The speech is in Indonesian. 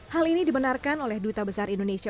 hal ini dibenarkan oleh perusahaan terbesar di kawasan eropa